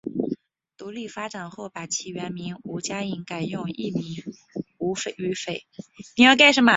独立发展后把其原名吴家颖改用艺名吴雨霏。